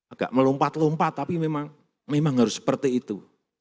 agak melompat lompat tapi memang harus seperti itu